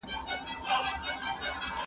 زه به د ښوونځي کتابونه مطالعه کړي وي!.